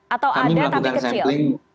atau ada tapi kecil